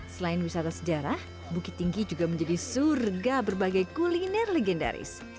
selain wisata sejarah bukit tinggi juga menjadi surga berbagai kuliner legendaris